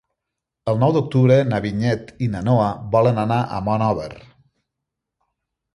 El nou d'octubre na Vinyet i na Noa volen anar a Monòver.